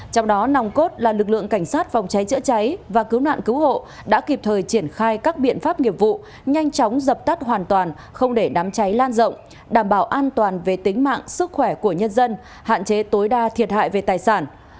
trong đó nòng cốt là lực lượng cảnh sát phòng cháy chữa cháy và cứu nạn cứu hộ đã kịp thời triển khai các biện pháp nghiệp vụ nhanh chóng dập tắt hoàn toàn không để đám cháy lan rộng đảm bảo an toàn về tính mạng sức khỏe của nhân dân hạn chế tối đa thiệt hại về tài sản